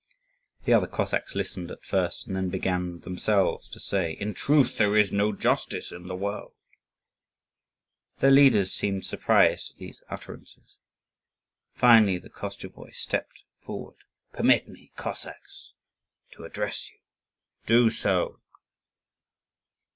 The other Cossacks listened at first, and then began themselves to say, "In truth, there is no justice in the world!" Their leaders seemed surprised at these utterances. Finally the Koschevoi stepped forward: "Permit me, Cossacks, to address you." "Do so!"